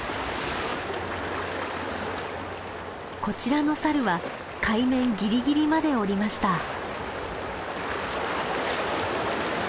こちらのサルは海面ギリギリまで下りました。